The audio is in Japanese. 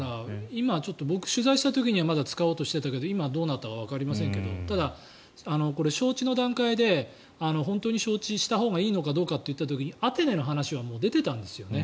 今、ちょっと僕取材した時には使おうとしていたけど今、どうなったかわかりませんがただ、招致の段階で本当に招致したほうがいいのかどうかという時にアテネの話はもう出ていたんですよね。